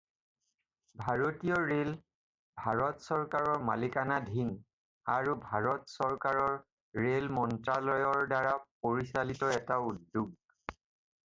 ভাৰতীয় ৰেল ভাৰত চৰকাৰৰ মালিকানাধীন আৰু ভাৰত চৰকাৰৰ ৰেল মন্ত্ৰালয়ৰ দ্বাৰা পৰিচালিত এটা উদ্যোগ।